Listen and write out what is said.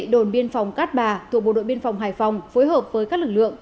đồn biên phòng cát bà thuộc bộ đội biên phòng hải phòng phối hợp với các lực lượng